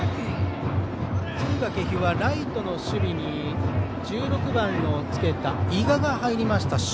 敦賀気比はライトの守備に１６番の伊賀が入りました。